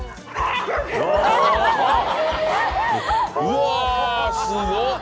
うわすごっ。